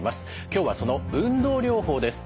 今日はその運動療法です。